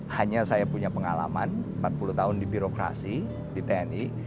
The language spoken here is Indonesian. hanya saya punya pengalaman empat puluh tahun di birokrasi di tni